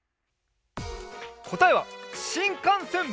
こたえはしんかんせん！